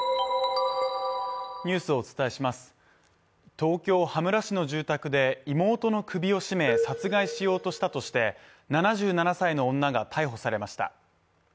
東京・羽村市の住宅で妹の首を絞め殺害しようとしたとして７７歳の女が逮捕されました。